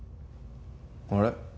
あれ？